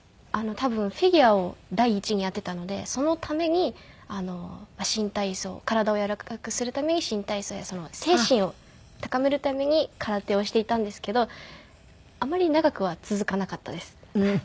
多分フィギュアを第一にやっていたのでそのために新体操体を柔らかくするために新体操や精神を高めるために空手をしていたんですけどあまり長くは続かなかったです。